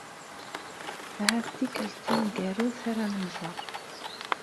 Ahat d tikelt taneggart ara nemẓer.